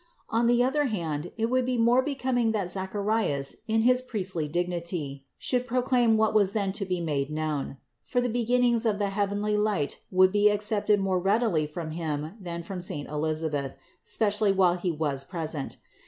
On the other hand it was more becoming that Zacharias in his priestly dignity should proclaim what was then to be made known; for the beginnings of the heavenly light would be accepted more readily from him than from saint Elisabeth, especially while he was present.